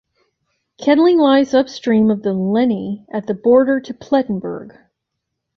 Kettling lies upstream of the Lenne at the border to Plettenberg.